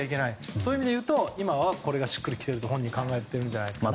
そういう意味で言うと今はこれがしっくり来ていると本人は感じていますね。